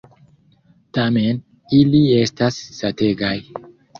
Tamen, ili estas sategaj.